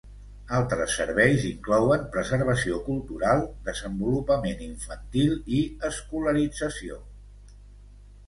Altres serveis inclouen preservació cultural, desenvolupament infantil i escolarització.